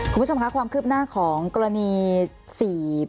คุณผู้ชมคะความคืบหน้าของกรณีสี่